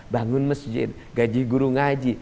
bangun masjid gaji guru ngaji